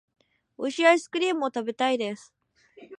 美味しいアイスクリームを食べたいです。